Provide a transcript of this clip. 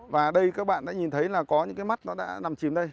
và đây các bạn đã nhìn thấy là có những cái mắt nó đã nằm chìm đây